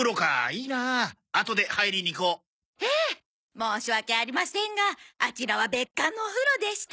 申し訳ありませんがあちらは別館のお風呂でして。